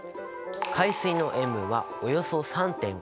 海水の塩分はおよそ３．５％。